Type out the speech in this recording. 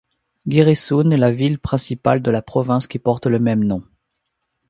Giresun est la ville principale de la province qui porte le même nom.